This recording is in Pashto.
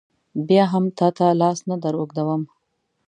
بیا هم تا ته لاس نه در اوږدوم.